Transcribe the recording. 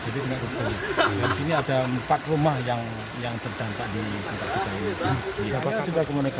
dan di sini ada empat rumah yang terdampak